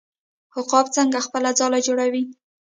عقاب څنګه خپله ځاله جوړوي؟